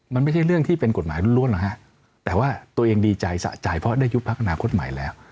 มันไม่ใช่เรื่องที่เป็นกฎหมายล้วนหรอกฮะแต่ว่าตัวเองดีใจสะใจเพราะได้ยุบพักอนาคตใหม่แล้ว